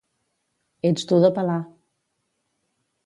Ets dur de pelar.